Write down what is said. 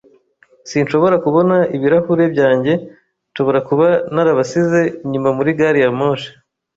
Sinshobora kubona ibirahure byanjye. Nshobora kuba narabasize inyuma muri gari ya moshi.